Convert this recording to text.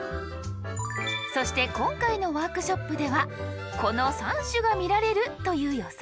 そして今回のワークショップではこの３種が見られるという予想。